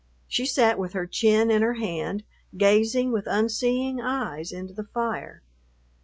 She sat with her chin in her hand, gazing with unseeing eyes into the fire.